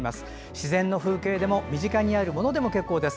自然の風景でも身近にあるものでも結構です。